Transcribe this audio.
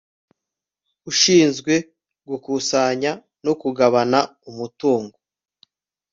ushinzwe gukusanya no kugabana umutungo